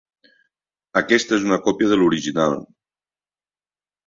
Aquesta és una còpia de l'original.